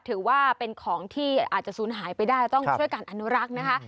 ถือว่าเป็นของที่อาจจะสูญหายไปได้ต้องช่วยการอนุรักษ์นะคะ